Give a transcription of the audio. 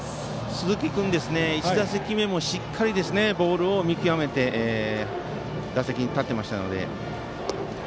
鈴木君は１打席目もしっかりボールを見極めて打席に立っていましたね。